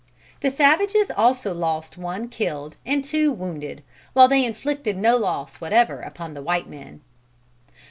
The savages also lost one killed and two wounded, while they inflicted no loss whatever upon the white men.